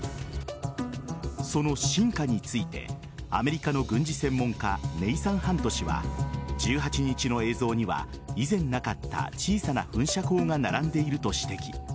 その進化についてアメリカの軍事専門家ネイサン・ハント氏は１８日の映像には以前なかった小さな噴射口が並んでいると指摘。